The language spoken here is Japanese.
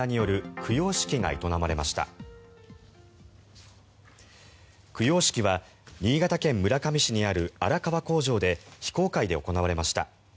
供養式は新潟県村上市にある荒川工場で非公開で行われました。